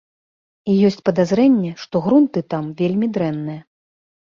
І ёсць падазрэнне, што грунты там вельмі дрэнныя.